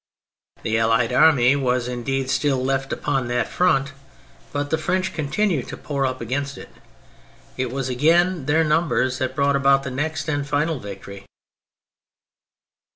The Allied army was indeed still left upon that front, but the French continued to pour up against it. It was again their numbers that brought about the next and the final victory.